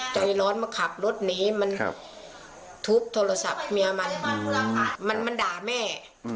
ทุบโทรศัพท์เมียมันมันด่าแม่